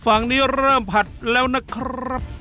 ฝั่งนี้เริ่มผัดแล้วนะครับ